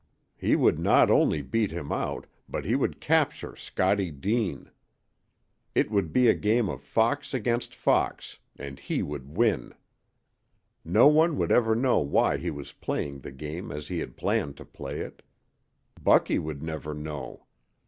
He would not only beat him out, but he would capture Scottie Deane. It would be a game of fox against fox, and he would win. No one would ever know why he was playing the game as he had planned to play it. Bucky would never know.